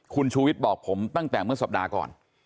คุณชูวิทย์บอกผมตั้งแต่เมื่อสัปดาห์ก่อน